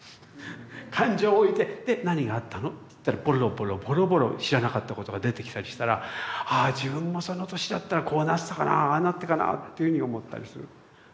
感情を置いて「で何があったの？」って言ったらボロボロボロボロ知らなかったことが出てきたりしたらああ自分もその年だったらこうなってたかなぁああなったかなぁというふうに思ったりする。